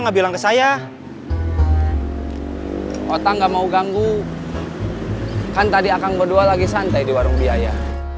nggak bilang ke saya otak nggak mau ganggu kan tadi akang berdua lagi santai di warung biaya